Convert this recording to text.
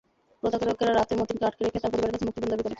প্রতারকেরা রাতে মতিনকে আটকে রেখে তাঁর পরিবারের কাছে মুক্তিপণ দাবি করে।